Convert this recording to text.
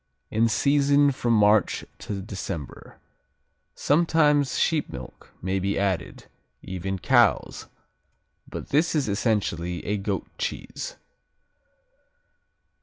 In season from March to December. Sometimes sheep milk may be added, even cow's, but this is essentially a goat cheese.